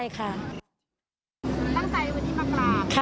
ตั้งใจวันนี้มากราบ